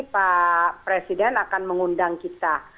pak presiden akan mengundang kita